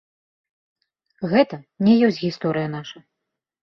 Гэта не ёсць гісторыя наша.